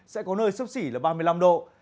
sẽ có nơi sấp xỉ là ba mươi năm độ